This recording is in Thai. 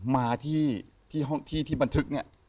มาที่ที่บันทึกเนี่ย